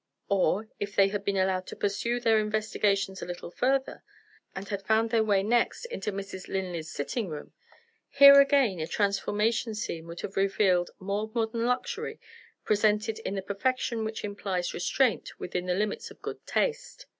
Or, if they had been allowed to pursue their investigations a little further, and had found their way next into Mrs. Linley's sitting room, here again a transformation scene would have revealed more modern luxury, presented in the perfection which implies restraint within the limits of good taste.